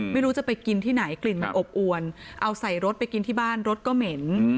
ไม่รู้จะไปกินที่ไหนกลิ่นมันอบอวนเอาใส่รถไปกินที่บ้านรถก็เหม็น